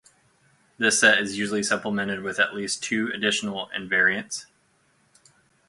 This set is usually supplemented with at least two additional invariants.